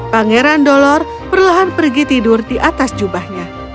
pangeran dolor perlahan pergi tidur di atas jubahnya